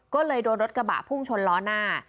ก็เลยโดนรถกระบะพุ่งชนล้อหน้า